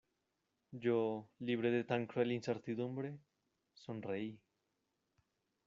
yo, libre de tan cruel incertidumbre , sonreí: